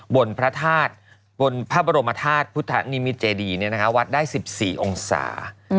บนพระบรมธาตุพุทธนิมิตรเจดีวัดได้๑๔องศา